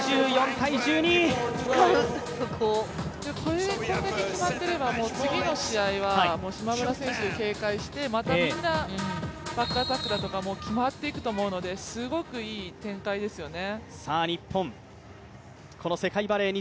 これだけ決まっていれば、次の試合は島村選手、警戒してまたみんなバックアタックだとか、決まっていくと思うので、すごくいい展開ですよね。